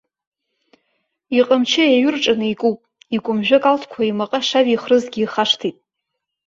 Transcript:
Иҟамчы еиҩырҿаны икыуп, икәымжәы акалҭқәа имаҟа ишавихрызгьы ихашҭит.